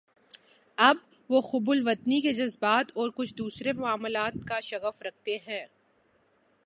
اب وہ حب الوطنی کے جذبات اور کچھ دوسرے معاملات کا شغف رکھتے ہیں۔